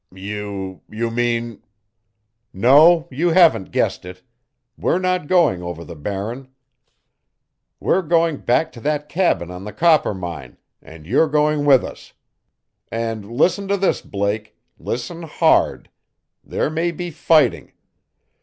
"You you mean " "No, you haven't guessed it. We're not going over the Barren. We're going back to that cabin on the Coppermine, and you're going with us. And listen to this, Blake listen hard! There may be fighting.